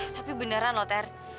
tapi beneran loh ter